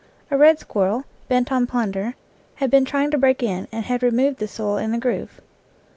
A red squirrel, bent on plunder, had been trying to break in, and had re moved the soil in the groove.